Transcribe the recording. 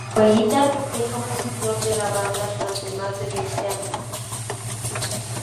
Fue guitarrista y compositor de la banda durante más de veinte años.